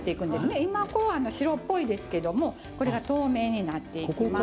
今、白っぽいんですけどこれが透明になっていきます。